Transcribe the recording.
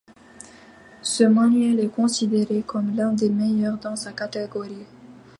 Ce manuel est considéré comme l'un des meilleurs dans sa catégorie.